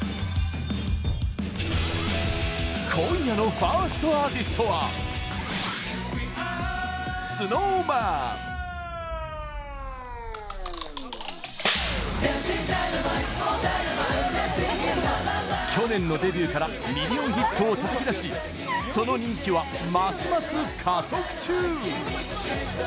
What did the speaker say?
ファーストアーティストは去年のデビューからミリオンヒットをたたき出しその人気はますます加速中！